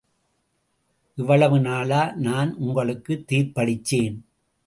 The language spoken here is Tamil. இவ்வளவு நாளா... நான் உங்களுக்கு தீர்ப்பளிச்சேன்.